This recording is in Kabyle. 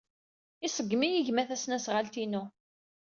Iṣeggem-iyi gma tasnasɣalt-inu.